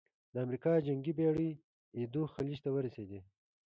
د امریکا جنګي بېړۍ ایدو خلیج ته ورسېدې.